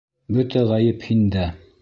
Бөтә ғәйеп һиндә!